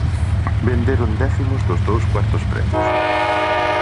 Venderon décimos dos dous cuartos premios.